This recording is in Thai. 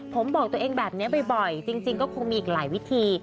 ผมบอกตัวเองแบบนี้บ่อยจริงก็คงมีอีกหลายวิธี